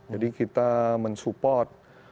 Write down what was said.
jadi kita mensupport